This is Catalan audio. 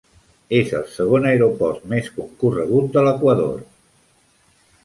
És el segon aeroport més concorregut de l'Equador.